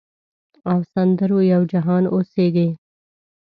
او سندرو یو جهان اوسیږې